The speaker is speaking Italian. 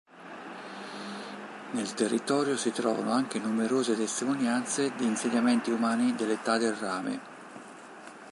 Nel territorio si trovano anche numerose testimonianze di insediamenti umani dell'Età del rame.